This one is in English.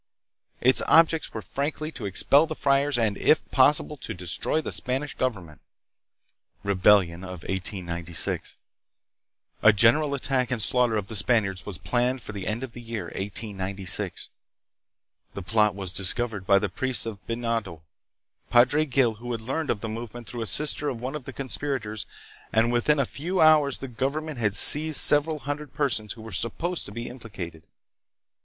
Its objects were frankly to expel the friars, and, if possible, to destroy the Spanish government. PROGRESS AND REVOLUTION. 1837 1897. 283 Rebellion of 1896. A general attack and slaughter of the Spaniards was planned for the end of the year 1896. The plot was discovered by the priest of Binondo, Padre Gil, who learned of the movement through a sister of one of the conspirators, and within a few hours the government had seized several hundred persons who were supposed to be implicated.